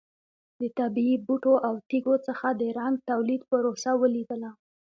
د طبیعي بوټو او تېږو څخه د رنګ تولید پروسه ولیدله.